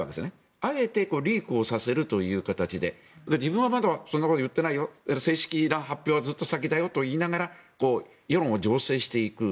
あえてリークさせるという形で自分はまだそんなこと言っていないよ正式な発表はずっと先だよと言いながら世論を醸成していく。